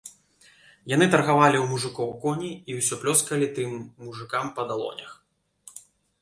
Яны таргавалі ў мужыкоў коні і ўсё плёскалі тым мужыкам па далонях.